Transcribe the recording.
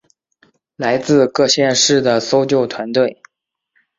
来自各县市的搜救团队